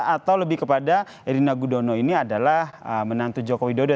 atau lebih kepada erina gudono ini adalah menantu joko widodo